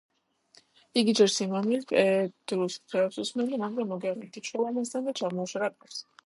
იგი ჯერ სიმამრის, პედრუს რჩევებს უსმენდა, მაგრამ მოგვიანებით იჩხუბა მასთან და ჩამოაშორა კარს.